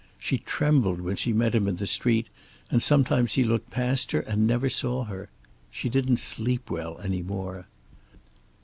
She trembled when she met him in the street, and sometimes he looked past her and never saw her. She didn't sleep well any more.